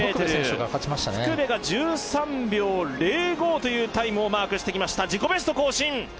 福部が１３秒０５というタイムをマークしてきました自己ベスト更新！